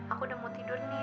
aku udah mau tidur nih